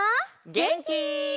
げんき？